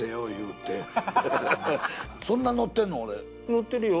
載ってるよ。